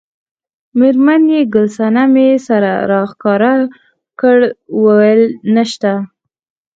میرمن یې ګل صمنې سر راښکاره کړ وویل نشته.